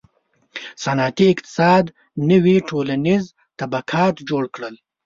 • صنعتي اقتصاد نوي ټولنیز طبقات جوړ کړل.